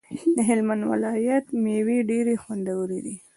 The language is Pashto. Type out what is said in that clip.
د هلمند ولایت ميوی ډيری خوندوری دی